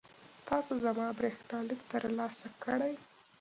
تاسو زما برېښنالیک ترلاسه کړی؟